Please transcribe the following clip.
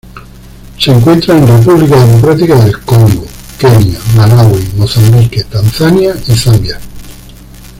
Se encuentra en República Democrática del Congo, Kenia, Malaui, Mozambique, Tanzania y Zambia.